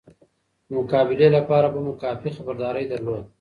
د مقابله لپاره به مو کافي خبرداری درلود.